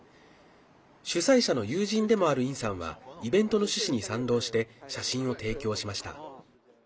主催者の友人でもある尹さんはイベントの趣旨に賛同して写真を提供しました。